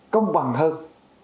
công bằng hơn